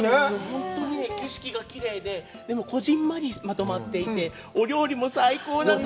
本当に景色がきれいで、でも小ぢんまりまとまっていて、お料理も最高だった。